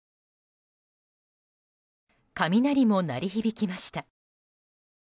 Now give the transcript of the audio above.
雷も鳴り響きました。